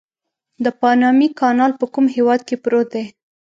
د پانامي کانال په کوم هېواد کې پروت دی؟